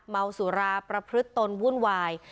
เมาสุราประพฤติตนวุ่นวาย